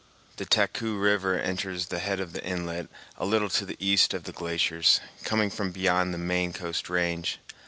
The Taku River enters the head of the inlet a little to the east of the glaciers, coming from beyond the main coast range.